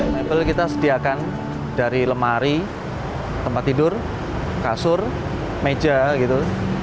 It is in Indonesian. mebel kita sediakan dari lemari tempat tidur kasur meja gitu